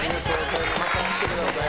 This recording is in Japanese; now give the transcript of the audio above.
また来てください。